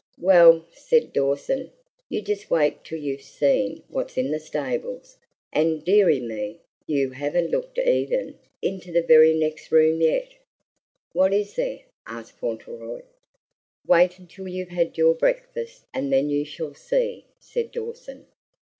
"Well," said Dawson, "you just wait till you've seen what's in the stables. And, deary me, you haven't looked even into the very next room yet!" "What is there?" asked Fauntleroy. "Wait until you've had your breakfast, and then you shall see," said Dawson.